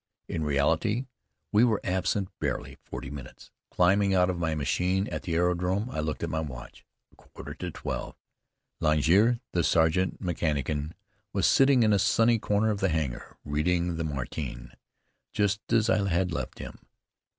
In reality, we were absent barely forty minutes. Climbing out of my machine at the aerodrome, I looked at my watch. A quarter to twelve. Laignier, the sergeant mechanician, was sitting in a sunny corner of the hangar, reading the "Matin," just as I had left him.